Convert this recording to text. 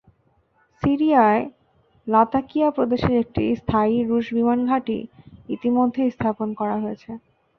সিরিয়ার লাতাকিয়া প্রদেশের একটি স্থায়ী রুশ বিমান ঘাঁটি ইতিমধ্যে স্থাপন করা হয়েছে।